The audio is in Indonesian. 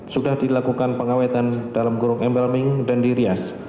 sudah dilakukan pengawetan dalam guruk embalming dan dirias